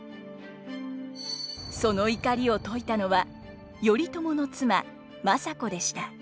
その怒りを解いたのは頼朝の妻政子でした。